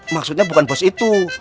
maksudnya bukan bos itu